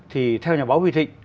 thì theo nhà báo huy thịnh